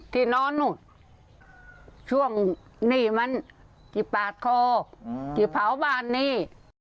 ที่นอนนู่นช่วงนี่มันที่ปาดคอที่เผาบ้านนี่